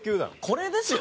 これですよ。